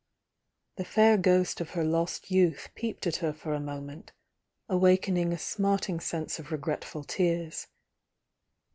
The fair ghost of her lost youth peeped at her for a moment, awakening a smarting sense of regretful tears.